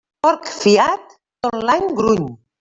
Porc fiat tot l'any gruny.